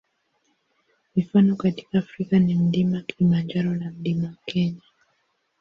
Mifano katika Afrika ni Mlima Kilimanjaro na Mlima Kenya.